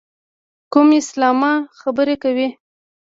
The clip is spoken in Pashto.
کوم اسلامه خبرې کوې.